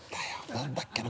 何だっけな？